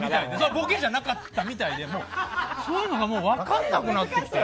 ボケじゃなかったみたいでそういうのが分からなくなってきて。